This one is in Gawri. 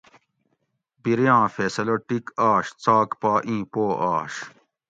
بِریاں فیصلہ ٹِیک آش څاک پا اِیں پو آش